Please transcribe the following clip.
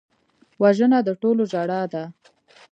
وژنه د ټولو ژړا ده